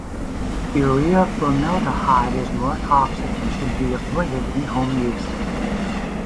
Urea-formaldehyde is more toxic and should be avoided in home use.